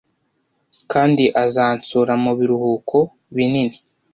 kandi azansura mu biruhuko binini